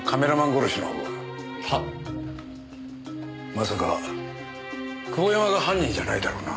まさか久保山が犯人じゃないだろうな。